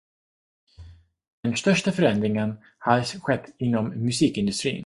Den största förändringen har skett inom musikindustrin.